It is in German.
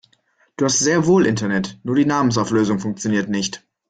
Du hast sehr wohl Internet, nur die Namensauflösung funktioniert nicht.